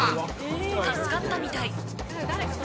助かったみたい。